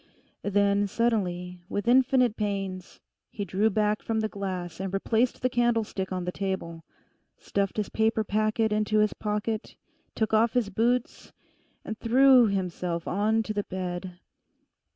Then slowly, with infinite pains, he drew back from the glass and replaced the candlestick on the table; stuffed his paper packet into his pocket, took off his boots and threw himself on to the bed.